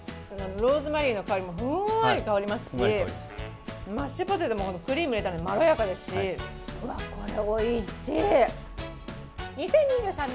ローズマリーの香りもふんわり香りますしマッシュポテトもクリーム入れたのでまろやかですし、わっ、これ、おいしい！